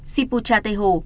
sipucha tây hồ